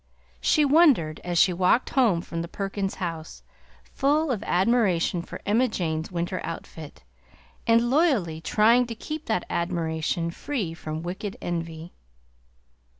she wondered, as she walked home from the Perkins house, full of admiration for Emma Jane's winter outfit, and loyally trying to keep that admiration free from wicked envy.